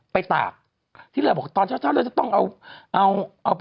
ไปตากที่เหลือบอกตอนเช้าจะต้องเอา